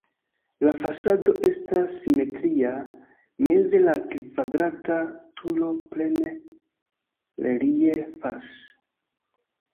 La fasado estas simetria, meze la kvadrata turo plene reliefas.